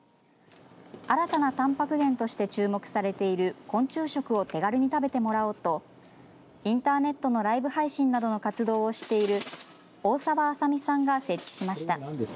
新たなたんぱく源として注目されている昆虫食を手軽に食べてもらおうとインターネットのライブ配信などの活動をしている大澤麻美さんが設置しました。